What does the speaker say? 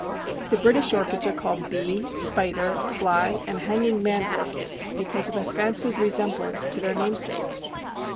The British Orchids are called Bee, Spider, Fly, and Hanging man Orchids, because of a fancied resemblance to their namesakes.